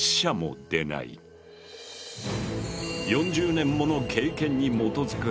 ４０年もの経験にもとづく